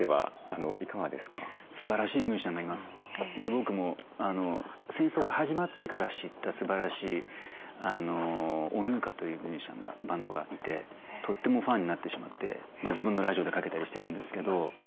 僕も戦争が始まってから知ったすばらしいＯＮＵＫＡというミュージシャンがバンドがいてとってもファンになってしまって自分のラジオでかけたりしてるんですけど。